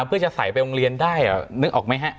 เพื่อจะใส่ไปโรงเรียนได้นึกออกไหมฮะ